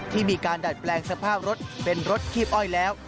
ที่มีการดัดแปลงสภาพรถเป็นรถคีบอ้อยแล้ว